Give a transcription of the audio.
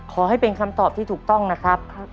ขอให้เป็นคำตอบที่ถูกต้องนะครับ